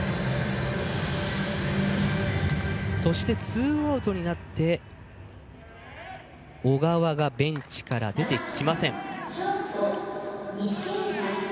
ツーアウトになって小川、ベンチから出てきません。